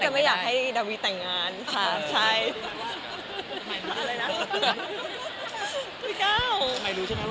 มันแก้ว